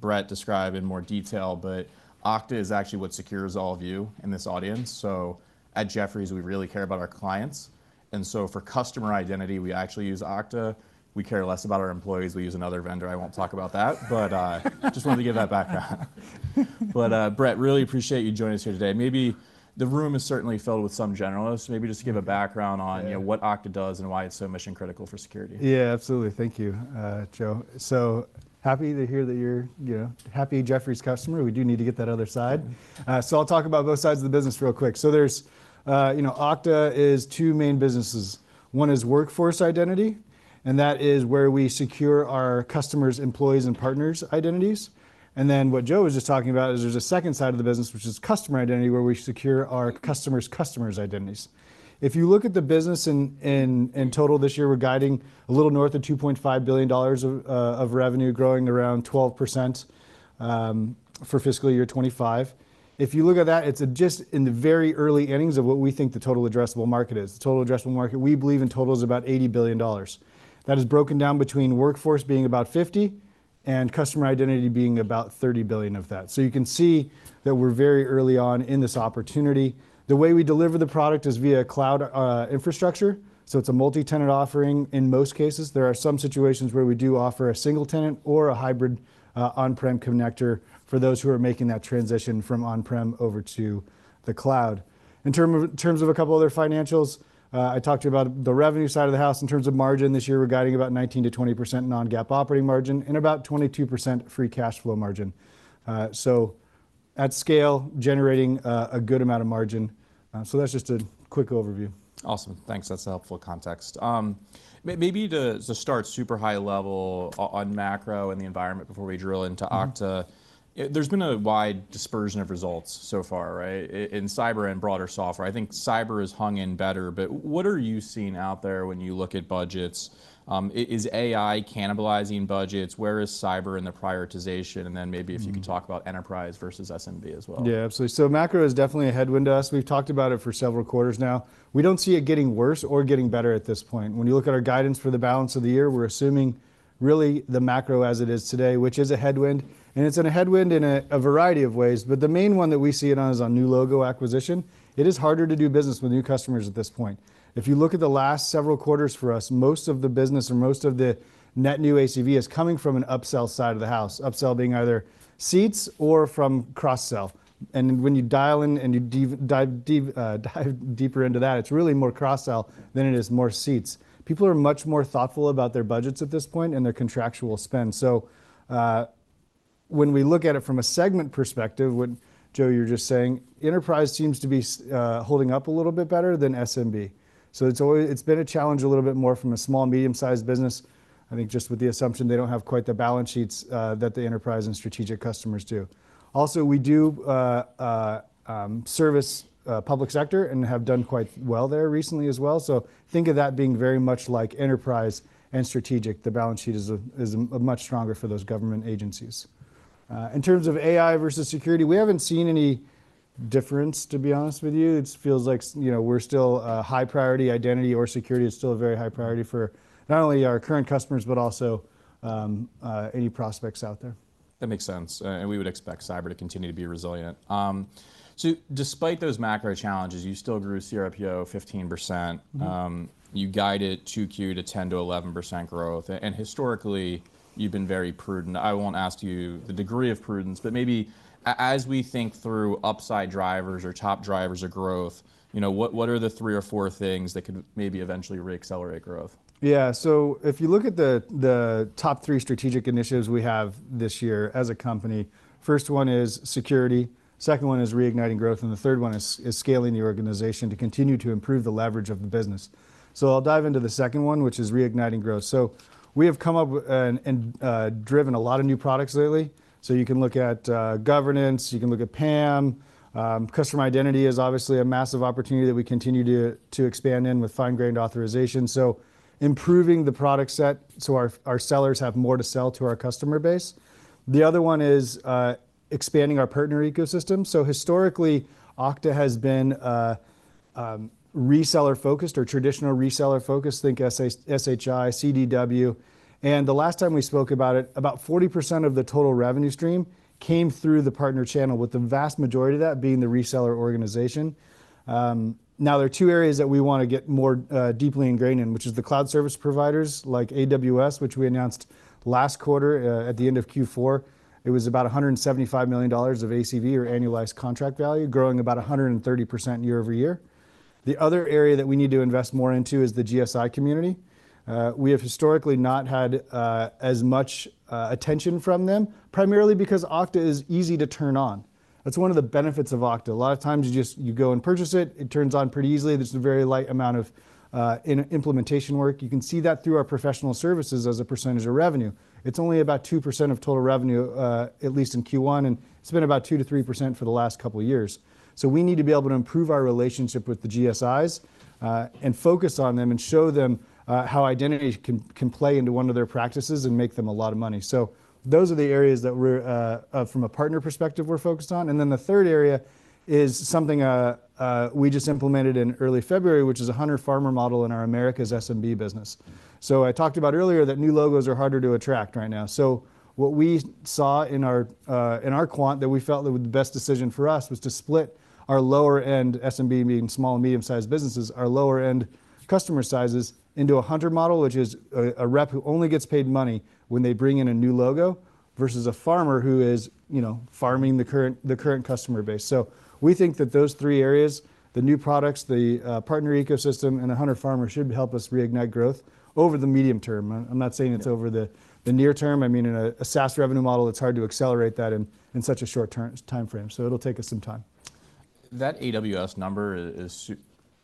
Brett describe in more detail, but Okta is actually what secures all of you in this audience. So at Jefferies, we really care about our clients, and so for customer identity, we actually use Okta. We care less about our employees. We use another vendor, I won't talk about that. But just wanted to give that background. But Brett, really appreciate you joining us here today. Maybe the room is certainly filled with some generalists, maybe just to give a background on, you know, what Okta does and why it's so mission-critical for security. Yeah, absolutely. Thank you, Joe. So happy to hear that you're, you know, happy Jefferies customer. We do need to get that other side. So I'll talk about both sides of the business real quick. So there's, you know, Okta is two main businesses. One is workforce identity, and that is where we secure our customers, employees, and partners' identities. And then what Joe was just talking about is there's a second side of the business, which is customer identity, where we secure our customers' customers' identities. If you look at the business in total this year, we're guiding a little north of $2.5 billion of revenue, growing around 12%, for fiscal year 2025. If you look at that, it's just in the very early innings of what we think the total addressable market is. The total addressable market, we believe, in total, is about $80 billion. That is broken down between workforce being about 50 and customer identity being about 30 billion of that. So you can see that we're very early on in this opportunity. The way we deliver the product is via cloud infrastructure, so it's a multi-tenant offering in most cases. There are some situations where we do offer a single tenant or a hybrid on-prem connector for those who are making that transition from on-prem over to the cloud. In terms of a couple other financials, I talked to you about the revenue side of the house. In terms of margin this year, we're guiding about 19%-20% non-GAAP operating margin and about 22% free cash flow margin. So at scale, generating a good amount of margin. So that's just a quick overview. Awesome. Thanks. That's helpful context. Maybe to start super high level on macro and the environment before we drill into Okta, there's been a wide dispersion of results so far, right, in cyber and broader software. I think cyber has hung in better, but what are you seeing out there when you look at budgets? Is AI cannibalizing budgets? Where is cyber in the prioritization? And then maybe- Mm... if you could talk about enterprise versus SMB as well. Yeah, absolutely. So macro is definitely a headwind to us. We've talked about it for several quarters now. We don't see it getting worse or getting better at this point. When you look at our guidance for the balance of the year, we're assuming really the macro as it is today, which is a headwind, and it's a headwind in a variety of ways. But the main one that we see it on is on new logo acquisition. It is harder to do business with new customers at this point. If you look at the last several quarters for us, most of the business or most of the net new ACV is coming from an upsell side of the house, upsell being either seats or from cross-sell. And when you dial in and you dive deeper into that, it's really more cross-sell than it is more seats. People are much more thoughtful about their budgets at this point and their contractual spend. So, when we look at it from a segment perspective, what, Joe, you were just saying, enterprise seems to be holding up a little bit better than SMB. So it's always, it's been a challenge a little bit more from a small, medium-sized business. I think just with the assumption they don't have quite the balance sheets that the enterprise and strategic customers do. Also, we do service public sector and have done quite well there recently as well, so think of that being very much like enterprise and strategic. The balance sheet is much stronger for those government agencies. In terms of AI versus security, we haven't seen any difference, to be honest with you. It feels like you know, we're still a high priority. Identity or security is still a very high priority for not only our current customers, but also, any prospects out there. That makes sense, and we would expect cyber to continue to be resilient. Despite those macro challenges, you still grew CRPO 15%. Mm-hmm. You guided 2Q to 10%-11% growth, and historically, you've been very prudent. I won't ask you the degree of prudence, but maybe as we think through upside drivers or top drivers of growth, you know, what, what are the three or four things that could maybe eventually reaccelerate growth? Yeah. So if you look at the top three strategic initiatives we have this year as a company, first one is security, second one is reigniting growth, and the third one is scaling the organization to continue to improve the leverage of the business. So I'll dive into the second one, which is reigniting growth. So we have come up with and driven a lot of new products lately, so you can look at governance, you can look at PAM. Customer identity is obviously a massive opportunity that we continue to expand in with Fine-Grained Authorization. So improving the product set so our sellers have more to sell to our customer base. The other one is expanding our partner ecosystem. So historically, Okta has been reseller-focused or traditionally reseller-focused, think SHI, CDW. The last time we spoke about it, about 40% of the total revenue stream came through the partner channel, with the vast majority of that being the reseller organization. Now, there are two areas that we want to get more deeply ingrained in, which is the cloud service providers like AWS, which we announced last quarter at the end of Q4. It was about $175 million of ACV, or annualized contract value, growing about 130% year-over-year. The other area that we need to invest more into is the GSI community. We have historically not had as much attention from them, primarily because Okta is easy to turn on.... That's one of the benefits of Okta. A lot of times, you just, you go and purchase it, it turns on pretty easily. There's a very light amount of implementation work. You can see that through our professional services as a percentage of revenue. It's only about 2% of total revenue, at least in Q1, and it's been about 2%-3% for the last couple of years. So we need to be able to improve our relationship with the GSIs and focus on them and show them how identity can play into one of their practices and make them a lot of money. So those are the areas that we're from a partner perspective, we're focused on. And then the third area is something we just implemented in early February, which is a hunter/farmer model in our Americas SMB business. So I talked about earlier that new logos are harder to attract right now. So what we saw in our, in our quant that we felt that was the best decision for us, was to split our lower-end SMB, meaning small and medium-sized businesses, our lower-end customer sizes into a hunter model, which is a rep who only gets paid money when they bring in a new logo, versus a farmer who is, you know, farming the current customer base. So we think that those three areas, the new products, the partner ecosystem, and the hunter/farmer, should help us reignite growth over the medium term. I'm not saying- Yeah... it's over the near term. I mean, in a SaaS revenue model, it's hard to accelerate that in such a short-term time frame, so it'll take us some time. That AWS number is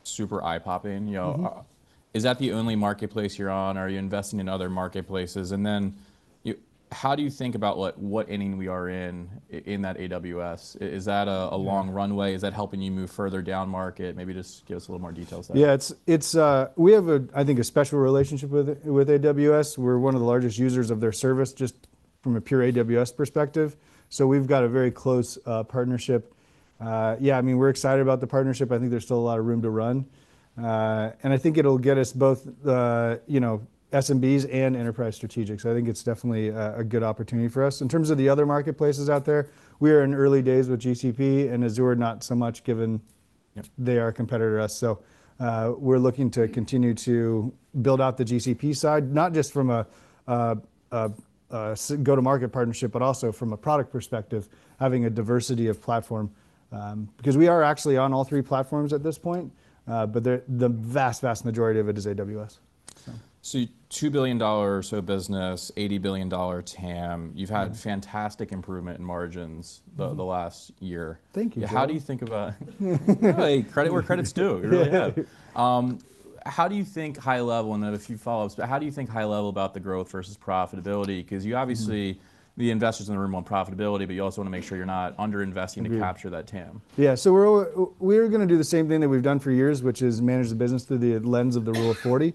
super eye-popping, you know? Mm-hmm. Is that the only marketplace you're on, or are you investing in other marketplaces? And then, how do you think about what inning we are in, in that AWS? Is that a- Yeah... a long runway? Is that helping you move further down market? Maybe just give us a little more detail on that. Yeah, it's. We have a, I think, a special relationship with AWS. We're one of the largest users of their service, just from a pure AWS perspective, so we've got a very close partnership. Yeah, I mean, we're excited about the partnership. I think there's still a lot of room to run. And I think it'll get us both, you know, SMBs and enterprise strategic, so I think it's definitely a good opportunity for us. In terms of the other marketplaces out there, we are in the early days with GCP, and Azure not so much, given- Yeah... they are a competitor to us. So, we're looking to continue to build out the GCP side, not just from a go-to-market partnership, but also from a product perspective, having a diversity of platform. Because we are actually on all three platforms at this point, but the vast majority of it is AWS. So- So $2 billion business, $80 billion TAM. Mm. You've had fantastic improvement in margins- Mm-hmm... the last year. Thank you. How do you think about-... Hey, credit where credit's due. Yeah. You really have. How do you think high level, and then a few follow-ups, but how do you think high level about the growth versus profitability? 'Cause you obviously- Mm ... the investors in the room want profitability, but you also want to make sure you're not under-investing- Agreed... to capture that TAM. Yeah, so we're, we are gonna do the same thing that we've done for years, which is manage the business through the lens of the Rule of 40,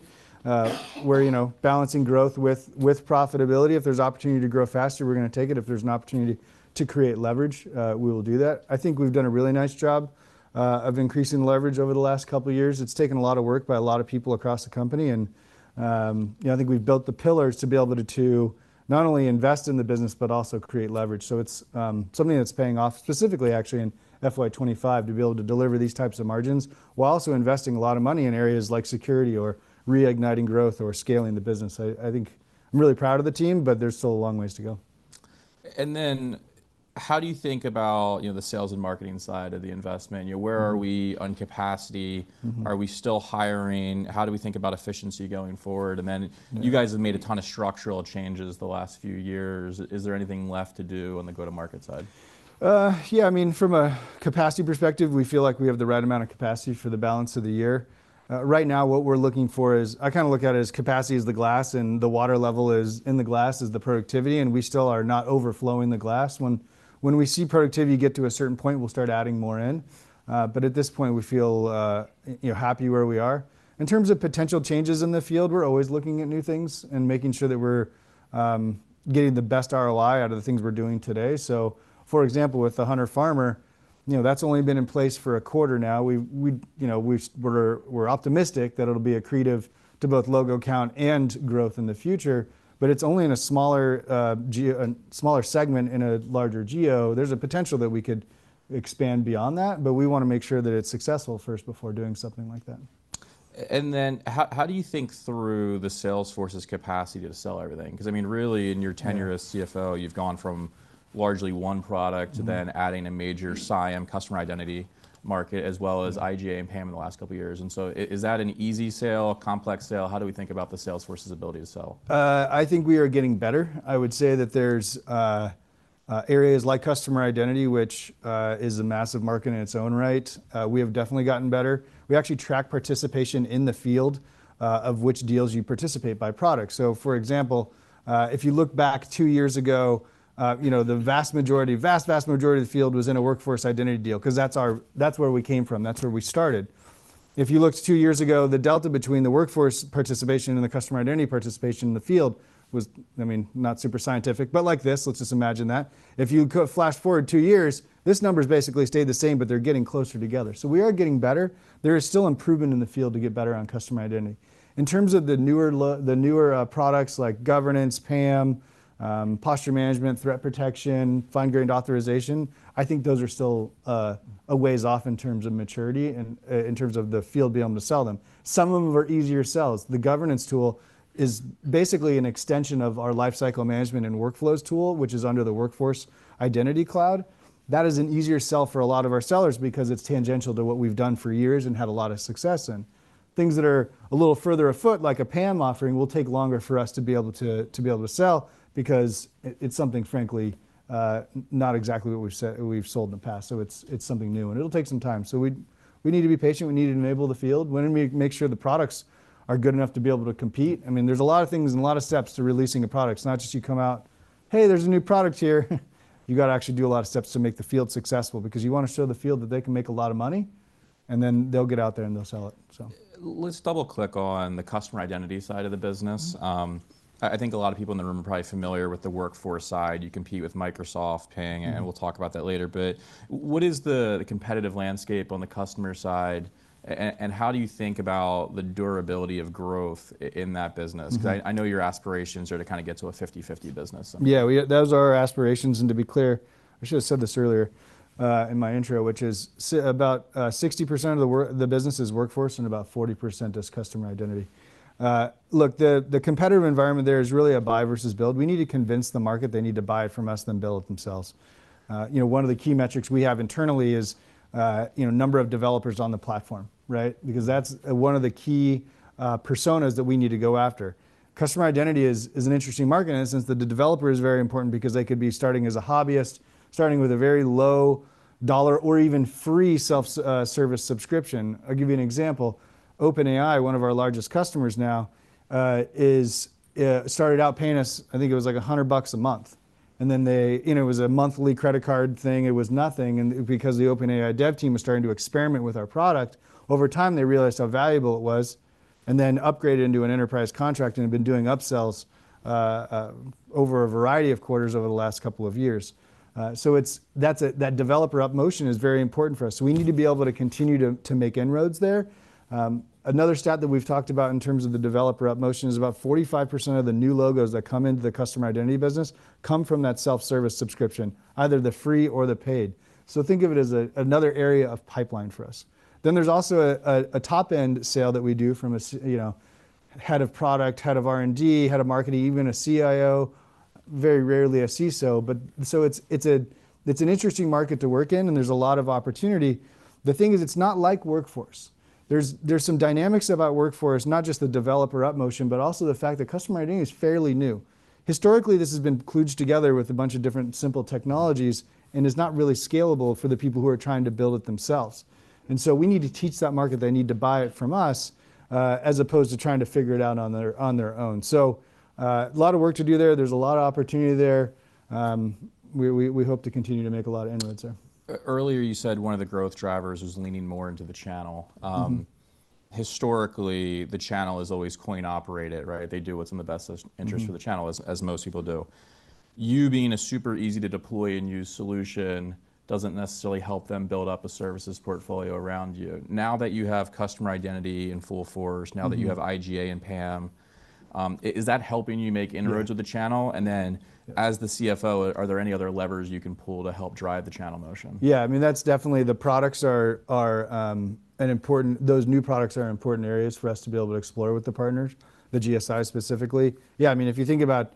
where, you know, balancing growth with profitability. If there's opportunity to grow faster, we're gonna take it. If there's an opportunity to create leverage, we will do that. I think we've done a really nice job of increasing leverage over the last couple of years. It's taken a lot of work by a lot of people across the company. And, you know, I think we've built the pillars to be able to not only invest in the business but also create leverage. It's something that's paying off specifically, actually, in FY 2025, to be able to deliver these types of margins, while also investing a lot of money in areas like security or reigniting growth or scaling the business. I think I'm really proud of the team, but there's still a long ways to go. How do you think about, you know, the sales and marketing side of the investment? Mm. You know, where are we on capacity? Mm-hmm. Are we still hiring? How do we think about efficiency going forward? Mm. And then, you guys have made a ton of structural changes the last few years. Is there anything left to do on the go-to-market side? Yeah. I mean, from a capacity perspective, we feel like we have the right amount of capacity for the balance of the year. Right now, what we're looking for is... I kind of look at it as capacity is the glass, and the water level is, in the glass, is the productivity, and we still are not overflowing the glass. When we see productivity get to a certain point, we'll start adding more in, but at this point, we feel, you know, happy where we are. In terms of potential changes in the field, we're always looking at new things and making sure that we're getting the best ROI out of the things we're doing today. So, for example, with the hunter/farmer, you know, that's only been in place for a quarter now. We you know, we're optimistic that it'll be accretive to both logo count and growth in the future, but it's only in a smaller segment in a larger geo. There's a potential that we could expand beyond that, but we want to make sure that it's successful first before doing something like that. And then, how do you think through sales force's capacity to sell everything? 'Cause, I mean, really, in your tenure- Yeah... as CFO, you've gone from largely one product- Mm-hmm... then adding a major CIAM customer identity market, as well as- Mm... IGA and PAM in the last couple of years. And so is that an easy sale, a complex sale? How do we think about sales force's ability to sell? I think we are getting better. I would say that there's areas like customer identity, which is a massive market in its own right. We have definitely gotten better. We actually track participation in the field of which deals you participate by product. So, for example, if you look back two years ago, you know, the vast majority, vast, vast majority of the field was in a workforce identity deal, 'cause that's our... That's where we came from. That's where we started. If you looked two years ago, the delta between the workforce participation and the customer identity participation in the field was, I mean, not super scientific, but like this. Let's just imagine that. If you go, flash forward two years, this number's basically stayed the same, but they're getting closer together. So we are getting better. There is still improvement in the field to get better on customer identity. In terms of the newer products like governance, PAM, Posture Management, Threat Protection, Fine-Grained Authorization, I think those are still a ways off in terms of maturity and in terms of the field being able to sell them. Some of them are easier sells. The governance tool is basically an extension of our Lifecycle Management and Workflows tool, which is under the Workforce Identity Cloud. That is an easier sell for a lot of our sellers because it's tangential to what we've done for years and had a lot of success in. Things that are a little further afoot, like a PAM offering, will take longer for us to be able to sell because it's something, frankly, not exactly what we've sold in the past. So it's something new, and it'll take some time. So we need to be patient. We need to enable the field. We need to make sure the products are good enough to be able to compete. I mean, there's a lot of things and a lot of steps to releasing a product. It's not just you come out, "Hey, there's a new product here!" You've gotta actually do a lot of steps to make the field successful because you wanna show the field that they can make a lot of money, and then they'll get out there, and they'll sell it, so. Let's double-click on the customer identity side of the business. Mm-hmm. I think a lot of people in the room are probably familiar with the workforce side. You compete with Microsoft, Ping- Mm. -and we'll talk about that later. But what is the competitive landscape on the customer side, and how do you think about the durability of growth in that business? Mm-hmm. 'Cause I know your aspirations are to kinda get to a 50/50 business, so. Yeah, those are our aspirations, and to be clear, I should have said this earlier in my intro, which is about 60% of the business is workforce, and about 40% is customer identity. Look, the competitive environment there is really a buy versus build. We need to convince the market they need to buy from us than build it themselves. You know, one of the key metrics we have internally is you know, number of developers on the platform, right? Because that's one of the key personas that we need to go after. Customer identity is an interesting market in the sense that the developer is very important because they could be starting as a hobbyist, starting with a very low dollar or even free self-service subscription. I'll give you an example. OpenAI, one of our largest customers now, started out paying us, I think it was, like, $100 a month, and then they... You know, it was a monthly credit card thing. It was nothing, and because the OpenAI dev team was starting to experiment with our product, over time, they realized how valuable it was and then upgraded into an enterprise contract and have been doing upsells over a variety of quarters over the last couple of years. So it's, that's a... That developer up motion is very important for us. So we need to be able to continue to make inroads there. Another stat that we've talked about in terms of the developer upmarket motion is about 45% of the new logos that come into the customer identity business come from that self-service subscription, either the free or the paid. So think of it as another area of pipeline for us. Then there's also a top-end sale that we do from sales, you know, head of product, head of R&D, head of marketing, even a CIO, very rarely a CISO, but so it's an interesting market to work in, and there's a lot of opportunity. The thing is, it's not like workforce. There's some dynamics about workforce, not just the developer upmarket motion, but also the fact that customer identity is fairly new. Historically, this has been kludged together with a bunch of different simple technologies and is not really scalable for the people who are trying to build it themselves, and so we need to teach that market they need to buy it from us, as opposed to trying to figure it out on their own. So, a lot of work to do there. There's a lot of opportunity there. We hope to continue to make a lot of inroads there. Earlier, you said one of the growth drivers was leaning more into the channel. Mm-hmm. Historically, the channel is always coin operated, right? They do what's in the best interest- Mm-hmm... for the channel, as most people do. You being a super easy-to-deploy and use solution doesn't necessarily help them build up a services portfolio around you. Now that you have customer identity in full force- Mm-hmm... now that you have IGA and PAM, is that helping you make inroads- Sure... with the channel? And then- Yeah... as the CFO, are there any other levers you can pull to help drive the channel motion? Yeah, I mean, that's definitely. The products are an important. Those new products are important areas for us to be able to explore with the partners, the GSIs specifically. Yeah, I mean, if you think about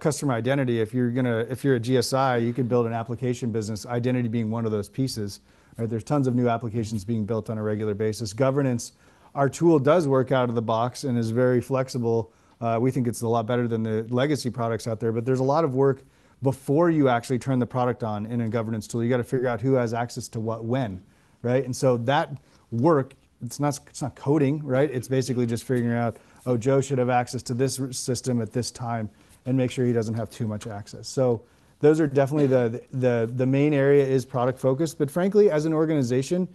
customer identity, if you're a GSI, you can build an application business, identity being one of those pieces, right? There's tons of new applications being built on a regular basis. Governance, our tool does work out of the box and is very flexible. We think it's a lot better than the legacy products out there, but there's a lot of work before you actually turn the product on in a governance tool. You've gotta figure out who has access to what, when, right? And so that work, it's not coding, right? It's basically just figuring out, "Oh, Joe should have access to this r- system at this time," and make sure he doesn't have too much access. So those are definitely the main area is product focus, but frankly, as an organization,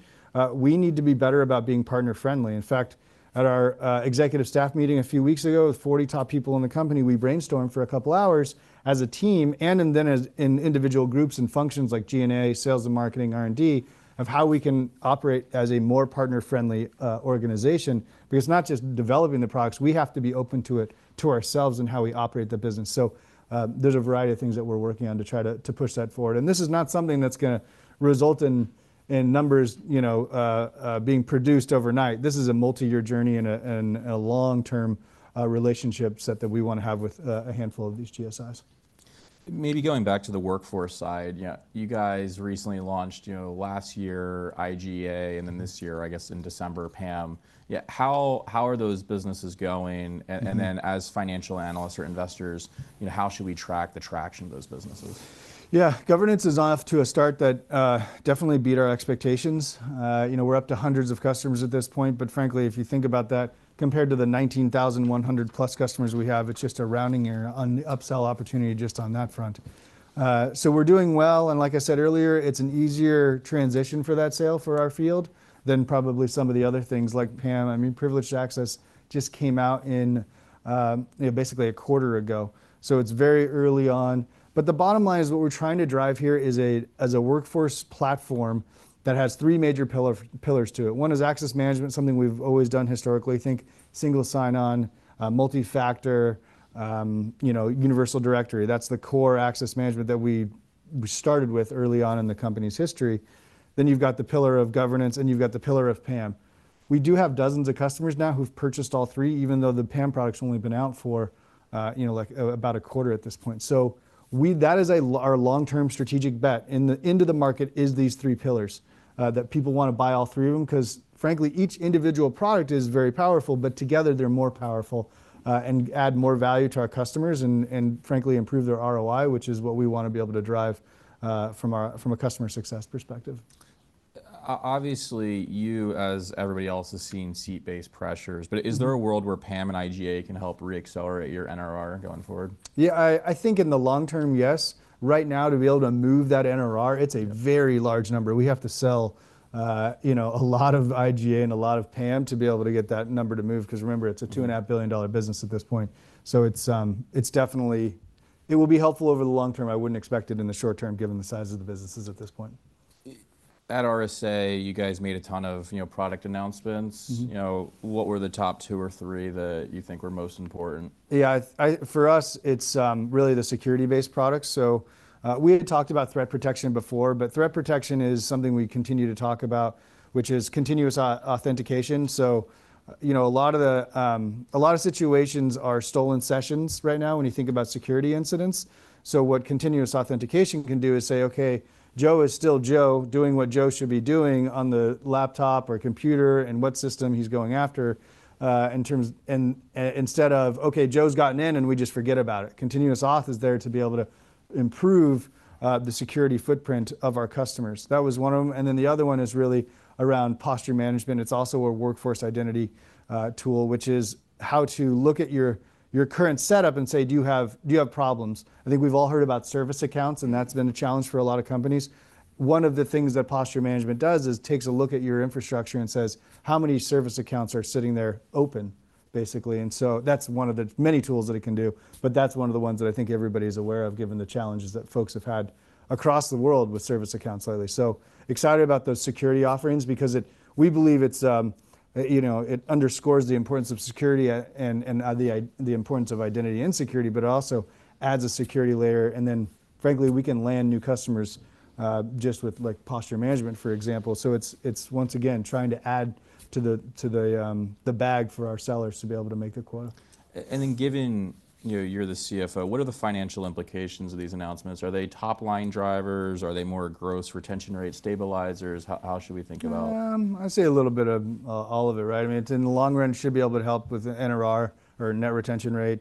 we need to be better about being partner-friendly. In fact, at our executive staff meeting a few weeks ago, with 40 top people in the company, we brainstormed for a couple hours as a team and, and then as, in individual groups and functions like G&A, sales and marketing, R&D, of how we can operate as a more partner-friendly organization because it's not just developing the products. We have to be open to it, to ourselves and how we operate the business. So, there's a variety of things that we're working on to try to push that forward, and this is not something that's gonna result in numbers, you know, being produced overnight. This is a multi-year journey and a long-term relationship set that we wanna have with a handful of these GSIs. Maybe going back to the workforce side, yeah, you guys recently launched, you know, last year, IGA, and then this year, I guess in December, PAM. Yeah, how are those businesses going? Mm-hmm. And then, as financial analysts or investors, you know, how should we track the traction of those businesses? Yeah, governance is off to a start that definitely beat our expectations. You know, we're up to hundreds of customers at this point, but frankly, if you think about that, compared to the 19,100+ customers we have, it's just a rounding error on the upsell opportunity just on that front. So we're doing well, and like I said earlier, it's an easier transition for that sale for our field than probably some of the other things like PAM. I mean, Privileged Access just came out in, you know, basically a quarter ago, so it's very early on. But the bottom line is what we're trying to drive here is a, as a workforce platform that has three major pillars to it. One is access management, something we've always done historically. Think single sign-on, multi-factor, you know, Universal Directory. That's the core access management that we started with early on in the company's history. Then you've got the pillar of governance, and you've got the pillar of PAM. We do have dozens of customers now who've purchased all three, even though the PAM product's only been out for, you know, like, about a quarter at this point. So that is our long-term strategic bet into the market, is these three pillars, that people wanna buy all three of them, 'cause frankly, each individual product is very powerful, but together they're more powerful, and add more value to our customers and, and frankly, improve their ROI, which is what we wanna be able to drive, from our, from a customer success perspective. Obviously, you, as everybody else, is seeing seat-based pressures. Mm-hmm. But is there a world where PAM and IGA can help reaccelerate your NRR going forward? Yeah, I, I think in the long term, yes. Right now, to be able to move that NRR, it's a very large number. We have to sell, you know, a lot of IGA and a lot of PAM to be able to get that number to move, 'cause remember, it's a 2.5 billion-dollar business at this point. So it's, it's definitely... It will be helpful over the long term. I wouldn't expect it in the short term, given the size of the businesses at this point. At RSA, you guys made a ton of, you know, product announcements. Mm-hmm. You know, what were the top two or three that you think were most important? Yeah, I. For us, it's really the security-based products. So, we had talked about Threat Protection before, but Threat Protection is something we continue to talk about, which is continuous authentication. So, you know, a lot of the, a lot of situations are stolen sessions right now, when you think about security incidents. So what continuous authentication can do is say, "Okay, Joe is still Joe, doing what Joe should be doing on the laptop or computer, and what system he's going after," in terms and instead of, "Okay, Joe's gotten in," and we just forget about it. Continuous auth is there to be able to improve the security footprint of our customers. That was one of them, and then the other one is really around Posture Management. It's also a workforce identity tool, which is how to look at your current setup and say, "Do you have problems?" I think we've all heard about service accounts, and that's been a challenge for a lot of companies. One of the things that Posture Management does is takes a look at your infrastructure and says, "How many service accounts are sitting there open?" basically. And so that's one of the many tools that it can do, but that's one of the ones that I think everybody's aware of, given the challenges that folks have had across the world with service accounts lately. So, excited about those security offerings because it... We believe it's, you know, it underscores the importance of security and the importance of identity and security, but it also adds a security layer. And then frankly, we can land new customers just with, like, Posture Management, for example. So it's once again trying to add to the bag for our sellers to be able to make their quota. And then given, you know, you're the CFO, what are the financial implications of these announcements? Are they top-line drivers? Are they more gross retention rate stabilizers? How should we think about- I'd say a little bit of all of it, right? I mean, in the long run, should be able to help with the NRR, or Net Retention Rate.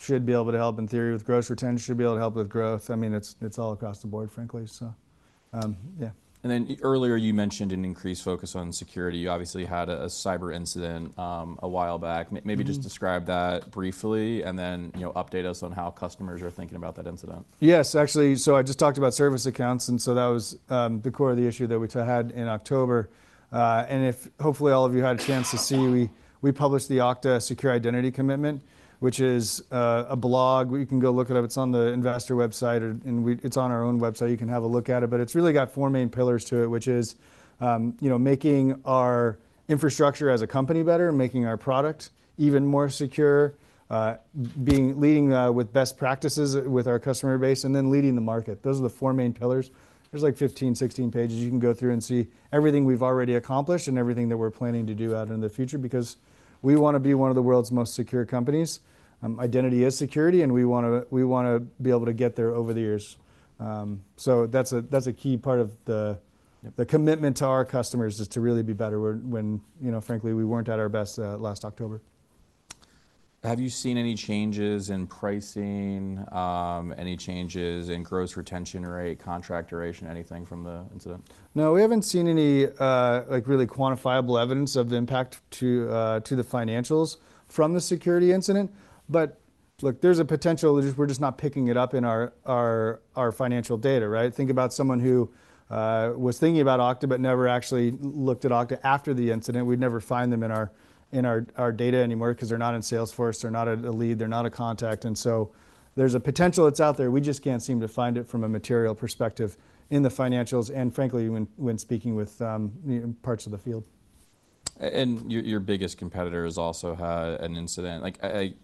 Should be able to help, in theory, with gross retention, should be able to help with growth. I mean, it's all across the board, frankly. So, yeah. And then earlier, you mentioned an increased focus on security. You obviously had a cyber incident a while back. Mm-hmm. Maybe just describe that briefly, and then, you know, update us on how customers are thinking about that incident. Yes, actually, so I just talked about service accounts, and so that was the core of the issue that we had in October. And if hopefully all of you had a chance to see, we published the Okta Secure Identity Commitment, which is a blog, where you can go look it up. It's on the investor website, or it's on our own website. You can have a look at it, but it's really got four main pillars to it, which is you know, making our infrastructure as a company better, making our product even more secure, being leading with best practices with our customer base, and then leading the market. Those are the four main pillars. There's like 15, 16 pages. You can go through and see everything we've already accomplished and everything that we're planning to do out in the future, because we wanna be one of the world's most secure companies. Identity is security, and we wanna be able to get there over the years. So that's a key part of the- Yeah... the commitment to our customers is to really be better when you know, frankly, we weren't at our best last October. Have you seen any changes in pricing, any changes in gross retention rate, contract duration, anything from the incident? No, we haven't seen any, like, really quantifiable evidence of the impact to, to the financials from the security incident. But look, there's a potential. It's just, we're just not picking it up in our financial data, right? Think about someone who was thinking about Okta but never actually looked at Okta after the incident. We'd never find them in our data anymore, 'cause they're not in Salesforce, they're not a lead, they're not a contact, and so there's a potential it's out there. We just can't seem to find it from a material perspective in the financials and frankly, even when speaking with, you know, parts of the field. your biggest competitor has also had an incident. Like,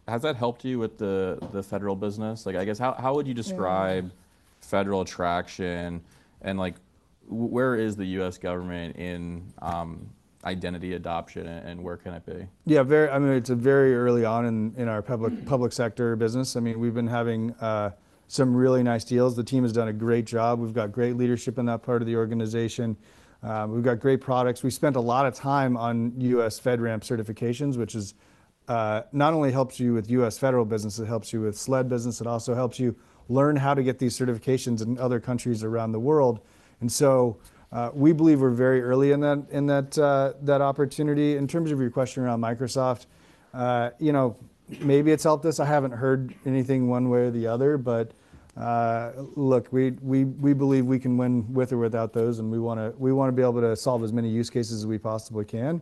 has that helped you with the federal business? Like, I guess, how would you describe- Yeah... federal attraction, and, like, where is the U.S. government in identity adoption, and where can it be? Yeah, very... I mean, it's very early on in our public sector business. I mean, we've been having some really nice deals. The team has done a great job. We've got great leadership in that part of the organization. We've got great products. We spent a lot of time on US FedRAMP certifications, which is not only helps you with US federal business, it helps you with SLED business. It also helps you learn how to get these certifications in other countries around the world, and so we believe we're very early in that opportunity. In terms of your question around Microsoft, you know, maybe it's helped us. I haven't heard anything one way or the other, but look, we believe we can win with or without those, and we wanna be able to solve as many use cases as we possibly can,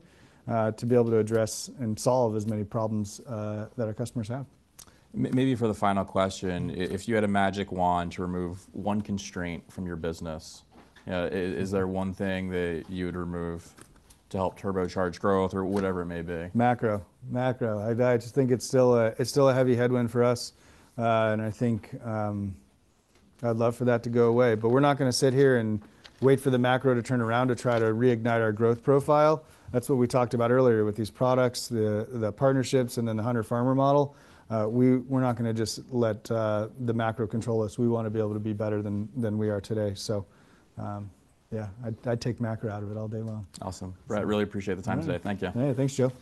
to be able to address and solve as many problems that our customers have. Maybe for the final question, if you had a magic wand to remove one constraint from your business, is there one thing that you would remove to help turbocharge growth or whatever it may be? Macro. I just think it's still a heavy headwind for us. And I think I'd love for that to go away, but we're not gonna sit here and wait for the macro to turn around to try to reignite our growth profile. That's what we talked about earlier with these products, the partnerships, and then the Hunter/Farmer model. We're not gonna just let the macro control us. We wanna be able to be better than we are today. So, yeah, I'd take macro out of it all day long. Awesome. Brett, really appreciate the time today. Yeah. Thank you. Yeah, thanks, Joe.